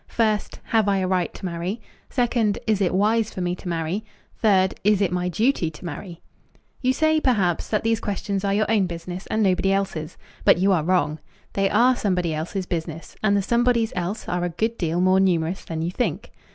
First, "Have I a right to marry?" Second, "Is it wise for me to marry?" Third, "Is it my duty to marry?" You say, perhaps, that these questions are your own business and nobody else's, but you are wrong. They are somebody else's business, and the somebodies else are a good deal more numerous than you think.